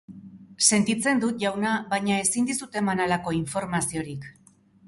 Sentitzen dut, jauna, baina ezin dizut eman halako informaziorik.